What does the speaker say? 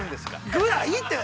◆ぐらいって。